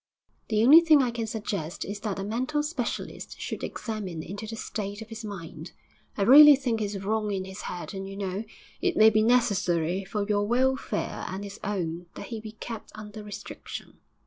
The only thing I can suggest is that a mental specialist should examine into the state of his mind. I really think he's wrong in his head, and, you know, it may be necessary for your welfare and his own that he be kept under restriction.'